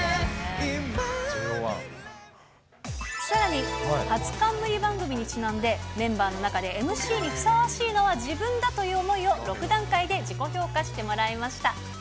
さらに、初冠番組にちなんで、メンバーの中でＭＣにふさわしいのは自分だという思いを６段階で自己評価してもらいました。